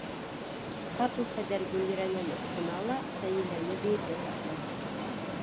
Ҡапыл Хәйҙәр Гөллирәнән ысҡына ла Фәниләне бейергә саҡыра.